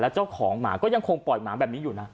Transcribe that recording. เจ้าของหมาก็ยังคงปล่อยหมาแบบนี้อยู่นะ